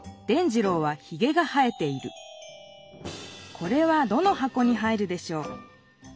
これはどのはこに入るでしょう？